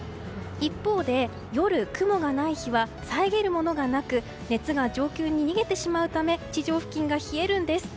一方で夜、雲がない日は遮るものがなく熱が上空に逃げてしまうため地上付近が冷えるんです。